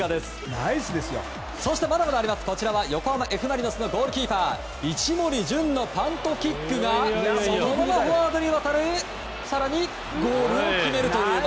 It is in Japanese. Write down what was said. そして、こちらは横浜Ｆ・マリノスのゴールキーパー一森純のパントキックがそのままフォワードに渡り更にゴールを決めるという。